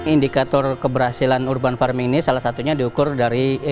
indikator keberhasilan urban farming ini salah satunya diukur dari